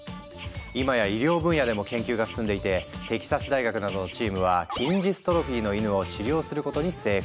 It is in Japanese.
今や医療分野でも研究が進んでいてテキサス大学などのチームは筋ジストロフィーの犬を治療することに成功。